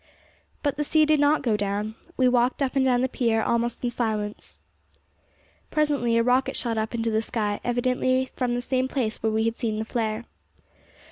But the sea did not go down. We walked up and down the pier almost in silence. Presently a rocket shot up into the sky, evidently from the same place where we had seen the flare.